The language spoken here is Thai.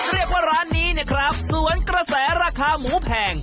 เรียกว่าร้านนี้เนี่ยครับสวนกระแสราคาหมูแพง